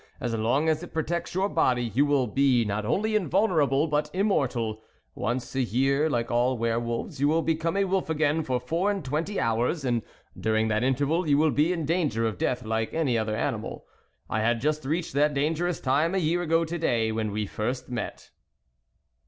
As long as it protects your body, you will be not only invulnerable, but immortal ; once a year, like all were wolves, you will become a wolf again for four and twenty hours, and during that interval, you will be in danger of death like any other animal. I had just reached that dangerous time a year ago to day, when we first met."